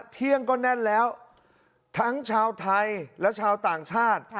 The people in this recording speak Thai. เที่ยงก็แน่นแล้วทั้งชาวไทยและชาวต่างชาติ